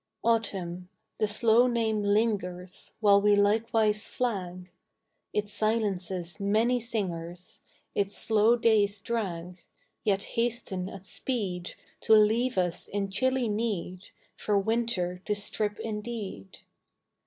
Autumn, — the slow name lingers, While we likewise flag ; It silences many singers ; Its slow days drag, Yet hasten at speed To leave us in chilly need For Winter to strip indeed.